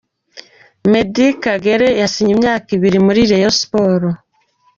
Meddie Kagere yasinye imyaka ibiri muri Rayon Sport.